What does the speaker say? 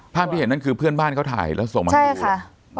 ที่เห็นนั่นคือเพื่อนบ้านเขาถ่ายแล้วส่งมาให้ค่ะ